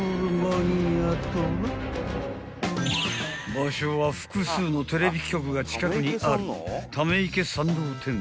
［場所は複数のテレビ局が近くにある溜池山王店］